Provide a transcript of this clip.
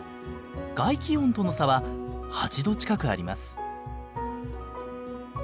外気温との差は８度近くあります。